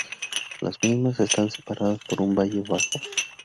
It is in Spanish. Las mismas están separadas por un valle bajo.